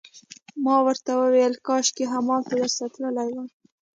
ما ورته وویل: کاشکي همالته درسره تللی وای.